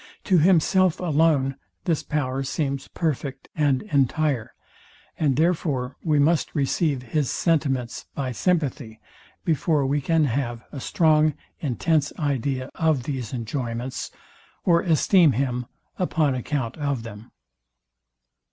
To himself alone this power seems perfect and entire; and therefore we must receive his sentiments by sympathy, before we can have a strong intense idea of these enjoyments, or esteem him upon account of them.